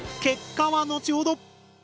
結果は後ほど！